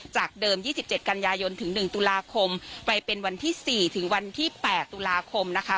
จากเดิมยี่สิบเจ็ดกันยายนถึงหนึ่งตุลาคมไปเป็นวันที่สี่ถึงวันที่แปดตุลาคมนะคะ